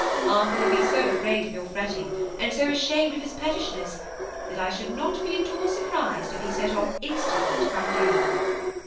Arthur will be so afraid of your fretting, and so ashamed of his pettishness, that I should not be at all surprised if he set off instantly to come home."